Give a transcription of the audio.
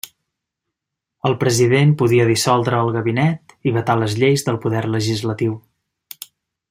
El president podia dissoldre el gabinet i vetar les lleis del poder legislatiu.